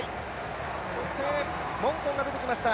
そしてモンソンが出てきました。